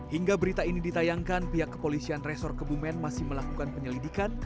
hingga berita ini ditayangkan pihak kepolisian resor kebumen masih melakukan penyelidikan